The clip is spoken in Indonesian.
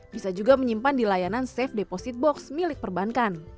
bisa juga menyimpan di layanan safe deposit box milik perbankan